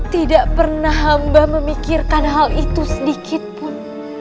tidak pernah hamba memikirkan hal itu sedikit pun